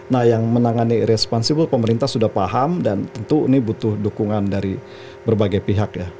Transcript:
nah yang menangani irresponsible pemerintah sudah paham dan tentu ini butuh dukungan dari berbagai pihak ya